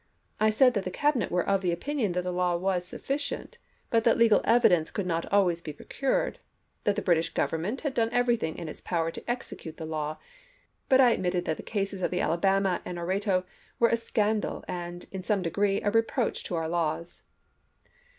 I said that the Cabinet were of opinion that the law was sufficient, but that legal evidence could not always be procured ; that the British Government had done ^^ff^f^?® everything in its power to execute the law, but I at oenlva, admitted that the cases of the Alabama and Oreto Cavil's were a scandal and, in some degree, a reproach to tKreaty our laws."